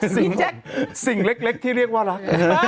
พี่แจ๊คสิ่งเล็กที่เรียกว่ารัก